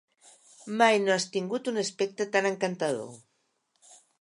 Mai no has tingut un aspecte tan encantador.